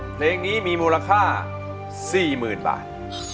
เพลงนี้มีมูลค่า๔๐๐๐บาท